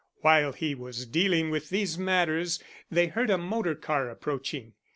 While he was dealing with these matters they heard a motor car approaching.